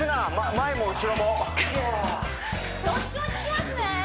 どっちもききますね